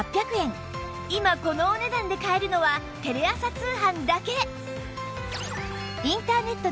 今このお値段で買えるのはテレ朝通販だけ